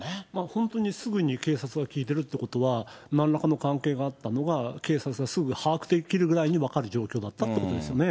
本当にすぐに警察が聴いてるってことは、なんらかの関係があったのが、警察はすぐ把握できるくらいに分かる状況だったってことですよね。